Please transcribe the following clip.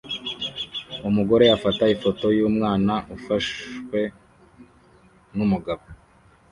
Umugore afata ifoto yumwana ufashwe numugabo